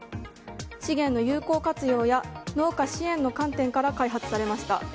資源の有効活用や農家支援の観点から開発されました。